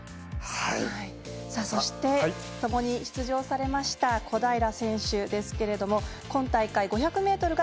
ともに出場されました小平選手ですけれども今大会、５００ｍ１７位。